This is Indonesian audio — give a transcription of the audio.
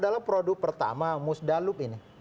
dalam produk pertama musdalub ini